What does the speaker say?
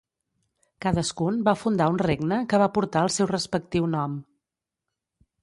Cadascun va fundar un regne que va portar el seu respectiu nom.